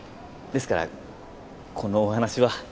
ですからこのお話は。